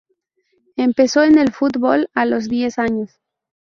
Empezó en el fútbol a los diez años.